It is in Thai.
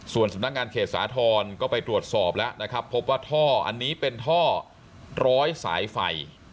ส่วนสำนักงานเขตสาธรณ์ก็ไปตรวจสอบแล้วนะครับพบว่าท่ออันนี้เป็นท่อร้อยสายไฟ